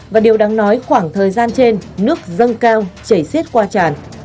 và điều đáng nói khoảng thời gian trên nước dâng cao chảy xiết qua tràn